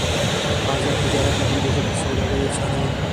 آزاد تجارت مهم دی ځکه چې سوداګري اسانوي.